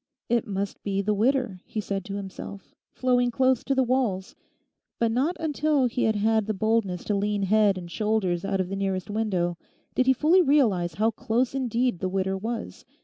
It must be the Widder, he said to himself, flowing close to the walls. But not until he had had the boldness to lean head and shoulders out of the nearest window did he fully realize how close indeed the Widder was.